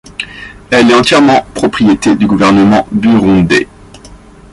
Elle est entièrement propriété du gouvernement burundais.